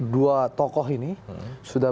dua tokoh ini sudah